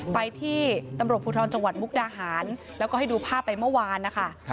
ไปที่ตำรวจภูทรจังหวัดมุกดาหารแล้วก็ให้ดูภาพไปเมื่อวานนะคะ